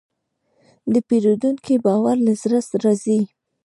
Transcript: د پیرودونکي باور له زړه راځي.